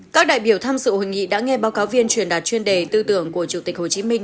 các đại biểu tham dự hội nghị đã nghe báo cáo viên truyền đạt chuyên đề tư tưởng của chủ tịch hồ chí minh